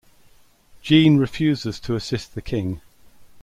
Jean refuses to assist the king.